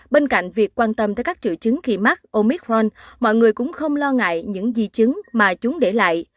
bên cạnh việc quan tâm tới các triệu chứng khi mắc omicron mọi người cũng không lo ngại những di chứng mà chúng để lại